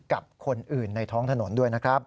กับคนอื่นในท้องถนนด้วยนะครับ